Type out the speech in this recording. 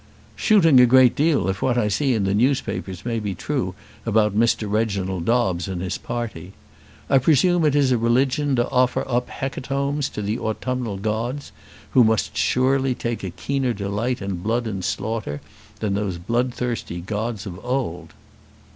"Shooting a great deal, if what I see in the newspapers be true about Mr. Reginald Dobbes and his party. I presume it is a religion to offer up hecatombs to the autumnal gods, who must surely take a keener delight in blood and slaughter than those bloodthirsty gods of old."